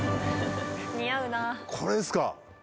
これですか。